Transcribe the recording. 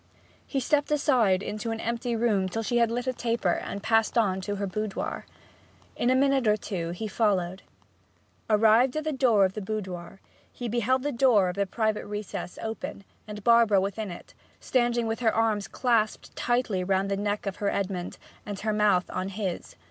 He stepped aside into an empty room till she had lit a taper and had passed on to her boudoir. In a minute or two he followed. Arrived at the door of the boudoir, he beheld the door of the private recess open, and Barbara within it, standing with her arms clasped tightly round the neck of her Edmond, and her mouth on his.